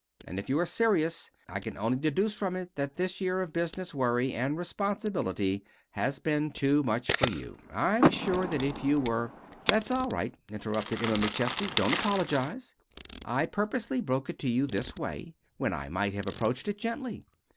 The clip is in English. And if you are serious I can only deduce from it that this year of business worry and responsibility has been too much for you. I'm sure that if you were " "That's all right," interrupted Emma McChesney. "Don't apologize. I purposely broke it to you this way, when I might have approached it gently.